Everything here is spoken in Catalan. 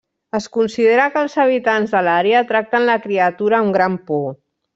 Es considera que els habitants de l'àrea tracten la criatura amb gran por.